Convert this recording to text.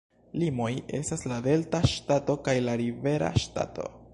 Limoj estas la Delta Ŝtato kaj la Rivera Ŝtato.